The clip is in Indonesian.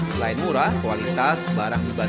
selain murah kualitas barang di pasar ini